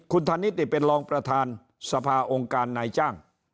คุณธนิษฐ์เป็นรองประธานสภาองค์การนายจ้าง